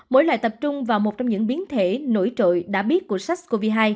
mỗi loại tập trung vào một trong những biến thể nổi trội đã biết của sars cov hai